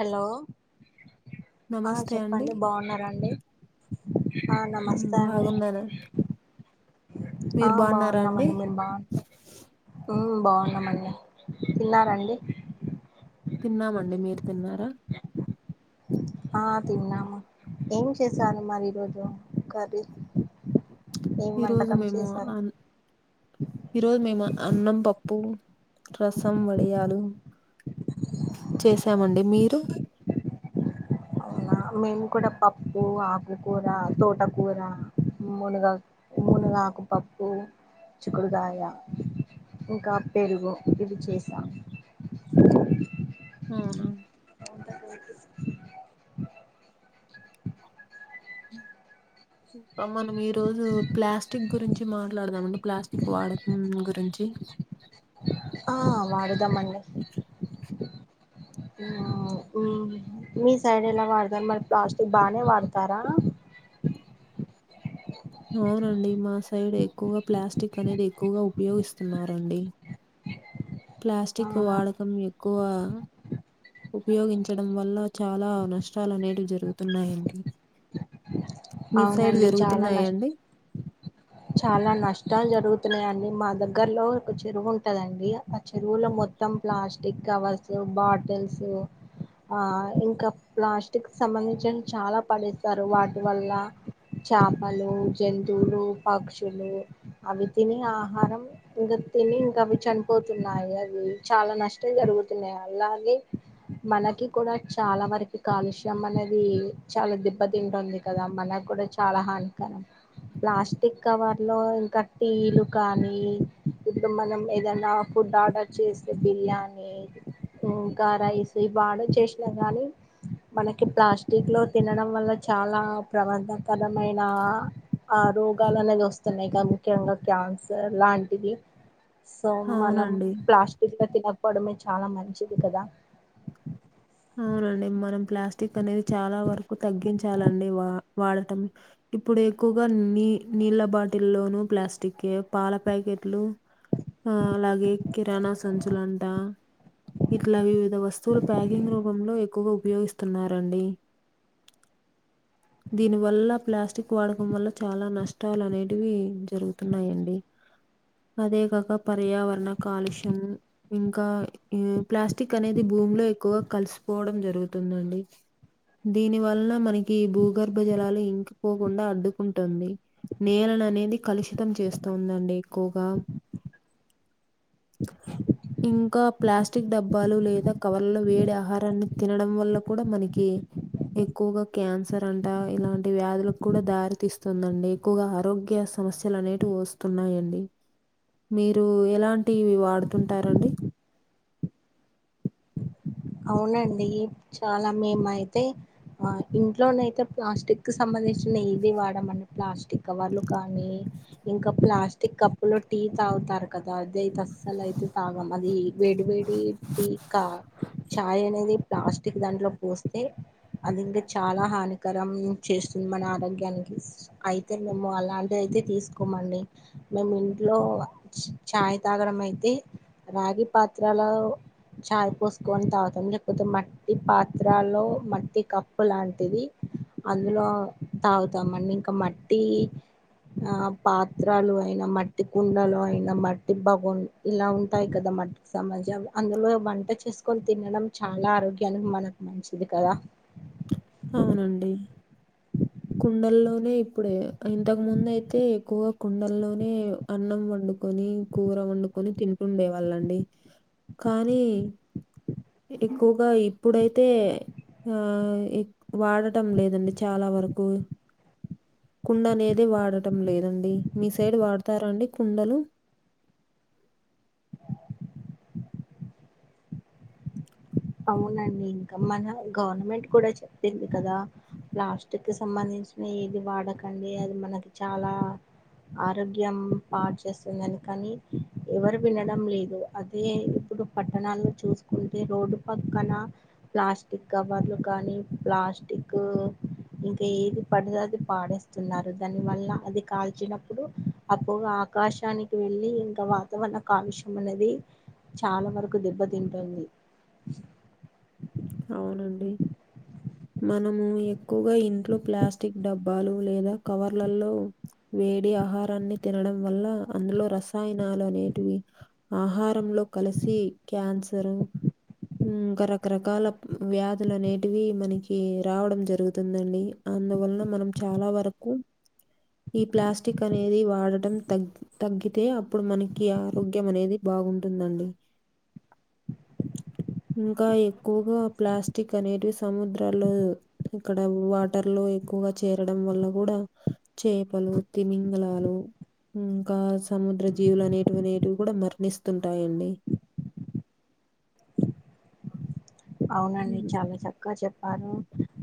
Hello ఆ నమస్తే అండి చెప్పండి బావున్నరాండి? ఆ ఉమ్, నమస్తే అండి బాగున్నాను ఆ మీరు బాగున్నారా అండి బావున్నామండి మీరు బావుంట మ్ బావున్నామండి. తిన్నారండి? తిన్నామండి మీరు తిన్నారా? ఆ తిన్నాము ఏం చేసను మరి ఈరోజు కర్రీ? ఏం ఈరోజు వంటకం మేము చేశారు అన్ ఈరోజు మేము అన్నం పప్పు రసం వడియాలు చేసామండి మీరు అవునా మేము కూడా పప్పు ఆకుకూర తోటకూర మునగక్ మూనగాకుపప్పు చిక్కుడుకాయ ఇంకా పెరుగు ఇవి చేసాం అవున ఇ మనం ఈ రోజు ప్లాస్టిక్ గురించి మాట్లాడదామండి ప్లాస్టిక్ వాడకం గురించి ఆ మాటాడుదాం అండి మ్ ఆ మీ సైడ్ ఎలా వాడతారు మరి ప్లాస్టిక్ బానే వాడతారా అవునండి మా సైడ్ ఎక్కువగా ప్లాస్టిక్ అనేది ఎక్కువగా ఉపయోగిస్తున్నరండి ఆ ప్లాస్టిక్ వాడకం ఎక్కువ ఉపయోగించడం వల్ల చాలా నష్టాలు అనేవి జరుగుతున్నాయండి మీ సైడ్ అవునండి చాలా న ష్ జరుగుతున్నాయండి? చాలా నష్టాలు జరుగు తున్నాయండి మా దగ్గరలో ఒక చెరువు ఉంటదండి ఆ చెరువులో మొత్తం ప్లాస్టిక్ కవర్స్ బాటిల్స్ ఆ ఇంకా ప్లాస్టిక్ సంబంధించి చాలా పడిస్తారు వాటి వల్ల చేపలు జంతువులు పక్షులు అవి తిని ఆహారం ఇంగ ఇంకా అవి చనిపోతున్నాయి అవి చాలా నష్టం జరుగుతున్నాయి అలాగే మనకి కూడా చాలా వరకు కాలుష్యం అనేది చాలా దిబ్బతింటుంది కదా మన కూడా చాలా హానికరం ప్లాస్టిక్ కవర్లో ఇంకా టీలు కానీ ఇప్పుడు మనం ఏదైనా ఫుడ్ ఆర్డర్ చేసే బిర్యానీ ఇంకా రైస్ ఇవి ఆర్దర్స్ చేసిన కానీ మనకి ప్లాస్టిక్ లో తినడం వల్ల చాలా ప్రమాదకరమైన ఆ రోగాలు అనేది వస్తున్నాయిగ ముఖ్యంగా క్యాన్సర్ లాంటివి సో మనం అవునండి. ప్లాస్టిక్ లో తినకపోవడమే చాలా మంచిది కదా క్ అనేది చాలా వరకు తగ్గించాలండి వా వాడటం ఇప్పుడు ఎక్కువగా నీ నీళ్ళ బాటిల్ల్లోను ప్లాస్టిక్ ఏ పాల ప్యాకెట్లు ఆ అలాగే కిరాణా సంచులంట ఇట్లా వివిధ వస్తువులు ప్యాక్ ంగ్ రూపంలో ఎక్కువగా ఉపయోగిస్తున్నారండి దీని వల్ల ప్లాస్టిక్ వాడకం వల్ల చాలా నష్టాలు అనేటివి జరుగుతున్నాయండి అదే కాక పర్యావరణ కాలుష్యం ఇంకా ప్లాస్టిక్ అనేది భూమీలో ఎక్కువగ కలిసిపోవడం జరుగుతుందండి దీని వల్ల మనకి భూ భ గర్భజలాలు ఇంకి పోకుండా అడ్డుకుంటుంది నేలను అనేది కలుషితం చేస్తుందండి ఎక్కువగా ఇంకా ప్లాస్టిక్ డబ్బాలు లేదా కవర్లో వేడిే ఆహారాన్ని తినడం వల్ల కూడా మనకి ఎక్కువగా క్యాన్స ారంట ఇలాంటి వ్యాధులకు కూడా దారితిస్తుందండి ఎక్కువగా ఆరోగ్య సమస్యలు అనేటివి వస్తున్ న్నాయండి మీరు ఎలాంటియి వాడుతుంటారండి అవునండి చాలా మేమయితే ఆ ఇంట్లోనయితే ప్లాస్టిక్ కి సంబంధించిన ఏది వాడమండి ప్లాస్టిక్ కవర్లు కానీ ఇంకా ప్లాస్టిక్ కప్పులో టీ తాగుతారు కదా అదైతే అస్సలైతే తాగం. అదీ ఈ వేడి వేడి టీ కా చాయ్ అనేది ప్లాస్టిక్ దాంట్లో పోస్తే అది ఇంక చాలా హానికరం చేస్తుంది మన ఆరోగ్యానికి అయితే మేము అలాంటిదైతే తీస్కోమండి మేము ఇంట్లో చా య్ తాగడం అయితే రాగి పాత్రల చాయ్ పోస్ కోన్ తాగుతాం లేకపోతే మట్టి పాత్రలో మట్టి కప్పు లాంటిది అందులో తాగుతామండి ఇంకా మట్టీ ఆ పాత్రాలు అయిన, మట్టి కుండలు అయినా, మట్టి బగొన్ ఇలా ఉంటాయి కదా మద్ సమాజం అందులో వంట చేస్ కోన్ తినడం చాలా ఆరోగ్యానికి మనక్ మంచిది కదా అవునండి. కుండల్లోనే ఇప్పుడే ఇంతక్ ముందైతే ఎక్కువ కుండల్లోనే అన్నం వండు కొని కూర వండుకొని తింటుండే వాళ్ళండి కానీ ఎక్కువగ ఇప్పుడైతే ఆ ఇ వాడటం లేదండి చాలా వరకు కుండ అనేది వాడటం లేదండి మీ సైడ్ వాడతారా అంది కుండలు అవునండి ఇంకా మన గవర్నమెంట్ కూడా చెప్పింది కదా ప్లాస్టిక్కి సంబంధించినై ఏది వాడకండి అది మనకి చాలా ఆరోగ్యం పాడు చేస్తుందని కనీ ఎవరు వినడం లేదు. అదే ఇప్పుడు పట్టణాల్లో చూస్కుంటే రోడ్డు పక్కన ప్లాస్టిక్ కవర్లు కానీ ప్లాస్టిక్ ఇంకా ఏది పడిన అది పాడేస్తున్నారు దాని వల్ల అది కాల్చినప్పుడు ఆ పొగ ఆకాశానికి వెళ్ళి ఇంకా వాతావరణ కాలుష్యం అనేది చాలా వరకు దెబ్బ తింటుంది. అవునండి. మనము ఎక్కువగా ఇంట్లో ప్లాస్టిక్ డబ్బాలు లేదా కవర్లల్లో వేడి ఆహారాన్ని తినడం వల్ల అందులో రసాయనాలు అనేటివి ఆహారం లో కలసి కన్సర్ మ్ ఇంక రకరకాల వ్యాధులనేటివి మనకి రావడం జరుగుతుందండి అందువలన మనం చాలా వరక్ కు ఈ ప్లాస్టిక్ అనేది వాడటం తగ్ తగ్గితే అప్పుడు మనకి ఆరోగ్యం అనేది బా బాగుంటుందండి. ఇంకా ఎక్కుగా ప్లాస్టిక్ అనేటివి సముద్రాల్లో ఇక్కడ వాటర్లో ఎక్కువగా చేరడం వల్ల గూడా చేపలు, తిమింగలాలు, ఇంకా సముద్ర జీవులు అనేటివ్ అనేటివ్ గుడా మరణిస్తుంటాయండి. అవునండి హ్మ్. చాలా చక్కగ చెప్పారు.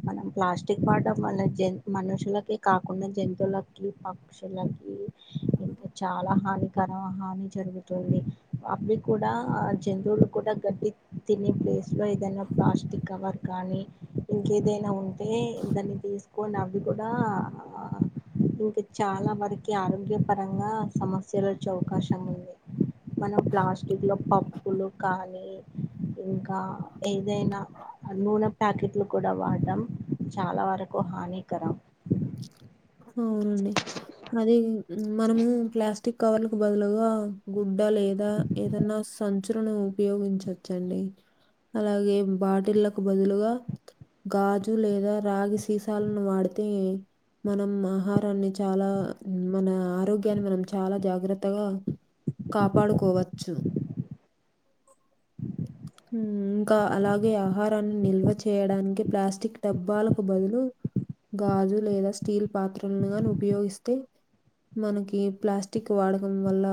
మనం ప్లాస్టిక్ వాడ్డం జన్ మనుషులకి కాకుండా జంతువులకి, పక్షులకి ఇంకా చాలా హానికరం హాని జరుగుతుంది. అవి కూడా ఆ జంతువులు కూడా గడ్డి తిన్ నీ ప్లేస్లో ఏదన్న ప్లాస్టిక్ కవర్ కానీ ఇంకేదైనా ఉంటే దాన్ని తీస్కొన్ అవి కూడా ఇంకా చాలా వరకి ఆరోగ్య పరంగా సమస్యలొచ్చే అవకాశం ఉంది. మనం ప్లాస్టిక్లో పప్పులు కానీ ఇంకా నేనా ఆ నూనె ప్యాకెట్లు కూడా వాడం చాలా వరకు హానికరం ఔనండి అది మనము ప్లాస్టిక్ కవర్ లకు బదులుగా గు డ్డ లేదా ఏదన్నా సంచులను ఉపయోగించ్చోచ్చండి అలాగే బాటిళ్లకు బదులుగా గాజు లేదా రాగి సీసాల్ను వాడితే ఎ మనం ఆహారాన్ని చాలా మన ఆరోగ్యాన్ని మనం చాలా జాగ్రత్తగా ఆ కాపాడుకోవచ్చు ఉహ్ ఉంకా అలాగే ఆహారాన్ని నిల్వ చేయ్ డాన్కీ ప్లాస్టిక్ డబ్బాలకు బదులు గాజు లేదా స్టీల్ పాత్రలనుగాను ఉపయోగిస్తే మనకి ప్లాస్టిక్ వాడకం వల్ల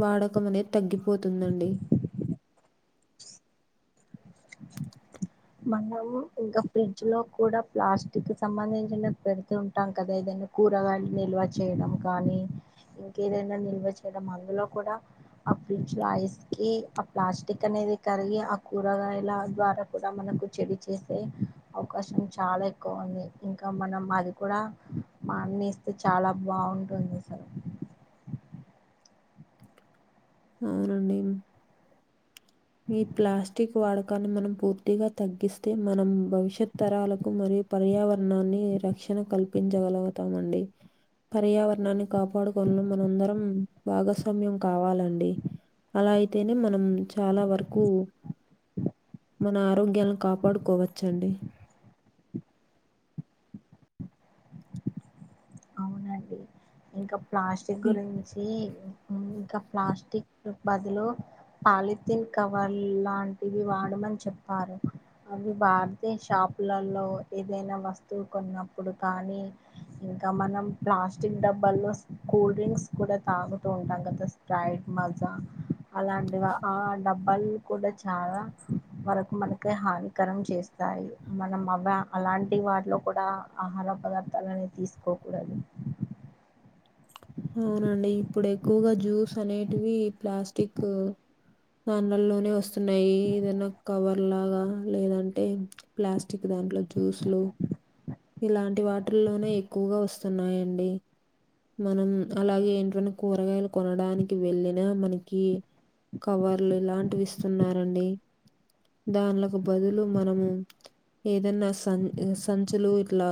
వాడకనేద్ తగ్గిపోతుందండి మనము ఇంకా ఫ్రిడ్జ్ లో కూడా ప్లాస్టిక్ సంబంధించిన పెడుతుంటామ్ కదా ఏదన్ కూరగాయ్ ల్ నిల్వ చేయ్ డం కానీ ఇంకేదైనా నిల్వ చేయ్ డం అందులో కూడా ఆ ఫ్రిడ్జ్ ల ఐస్ కి ఆ ప్లాస్టిక్ అనేది కరిగి ఆ కూరగాయ్ ల ద్వారా పే లా మనకు చెడు చేసే అవకాశం చాలా ఎక్కువుంది ఇంకా మనం అది కూడా మానేస్తే చాలా బాఉంటుందిస ఔనండి ఈ ప్లాస్టిక్ వాడక్ కానీ మనం పూర్తిగా తగ్గిస్తే మనం భవ్ ష్యత్ తరాలకు మరియు పర్యావర్ ణాన్ని రక్ష్ ణ కల్ పించగలగుతామండి పర్యావర్ ణాన్ని కాపాడుకొందం మనందరమ్ భాగస్వామ్యం కావాలండ్ డి అలా ఐతేనే మనం చాలా వరుకు మన ఆరోగ్యాల్ను కాపాడుకోవచ్చండి ఔనండి ఇంకా ప్లాస్టిక్ హ్మ్. గురించి ఈ ఔను కా ప్లాస్టిక్ కు బదులు పాలిథిన్ కవర్ లాంటివి వాడమన్ చెప్పారు అవి బార్ తే షాపులలో ఏదైనా వస్తువ్ కొన్నప్పుడు కానీ హ్మ్ త మనం ప్లాస్టిక్ డబ్బాల్లోస్ కూల్ డ్రింక్స్ కూడా తాగుతూ ఉంటాం కదా స్ప్రైట్ మజ్ దా అలాంటివా ఆ డబ్బాల్ కూడా చాలా వరకు మనకే హానికరం చేస్తాయి మనం అవా అలాంటి వాటిలో కూడా ఆహారమ్ ఆ పదార్థాల్నీ తీసుకోకుడదు ఔనండి ఇప్పుడేక్కువ్ గా జ్యూస్ అనేటివి ప్లాస్టికు దాన్ లల్ లోనే వోస్సున్నాయి ఏదనా కవర్ లాగా లేదంటే ప్లాస్టిక్ దా దాంట్లో జ్యూస్లు ఇలాంటి వాటీట్రీల్ లోనే ఎక్కువ్ గా వోస్తున్నాయండి మనం అలాగే ఏంట్ వన్ కూరగాయ్ ల్ కొనడానికి వెళ్ళిన మనకి కవర్లు లాంటివిస్తున్నారండి దాన్ లకు బదులు మనము ఏదన్నా సన్ సంచులు ఇట్లా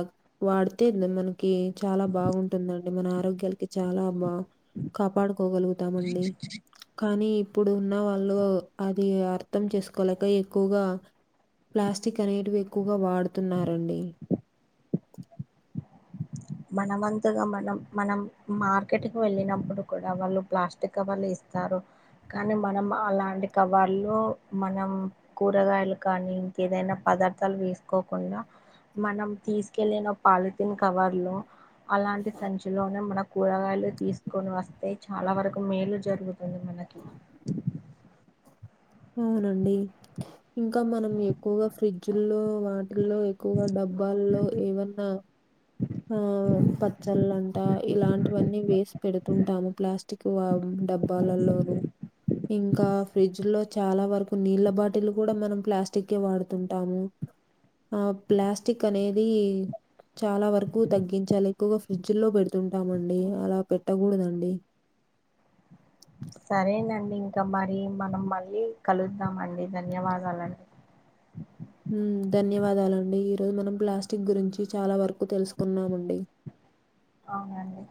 వాడ్ తే మన్ మన్కి చాలా బాఉంటుంద్ రండి మన ఆరోగ్యాల్కి చాలా బా కాపాడు కోగలుగుతామండి కానీ ఇప్పుడు ఉన్న వాళ్ళు అది అర్థం చేసుకోలే గా ఎక్కుగా ప్లాస్టిక్ అనేటివి ఎక్కుగా వాడుతున్నారండి మన వంతుగా మనం మనం మార్కెట్కి వెళ్ళినప్పుడు కూడా వాళ్ళు ప్లాస్టిక్ కవర్లుఏస్ స్తారు కానీ మనం అలాంటి కవాల్లో మనం కూరగాయలు కానీ ఇంకేదైనా ప పదార్థాలు వేసుకోకుండా మనం తీసుకెళ్లిిన పాలిథిన్ కవర్ లో అలాంటి సంచలోనే మన కూరగాయలు తీసుకొని వస్తే చాలా వరకు మేలు జరుగుతుంది మనకి అవునండి ఇంకా మనం ఎక్కువగా ఫ్రిడ్జ్ల్లో వా లో ఎక్కువగా డబ్బాల్లో ఏవన్నా ఆ పచ్చళ్ళంటా ఇలాంటివన్నీ వేస్ పెడుతుంటాము ప్లాస్టిక్ వ్ డబ్బాలల్లోనూ ఇంకా ఫ్రిడ్జ్ లో చాలా వరకు నీళ్ళ బాటిళ్లు కూడా మనం ప్లాస్టిక్ కే వాడుతుంటాము ఆ ప్లాస్టిక్ అనేది చాలా వరక్ క్కువ్ తగ్గించాలి ఎక్కువగా ఫ్రిడ్జ్ లో పెడుతుంటామండి అలా పెట్టకూడదండి సరేనండి ఇంకా మరి మనం మళ్ళీ కలుద్దామండి ధన్యవాదాలం హ్మ్మ్ ధన్యవాదాలండి ఈరోజు మనం ప్లాస్టిక్ గురించి చాలా వరకు తెలుసుకున్నామండి అవునండి